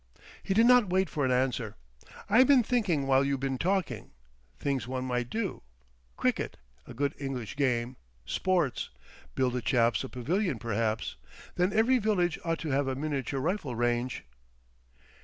He did not wait for an answer. "I been thinking while you been talking—things one might do. Cricket—a good English game—sports. Build the chaps a pavilion perhaps. Then every village ought to have a miniature rifle range."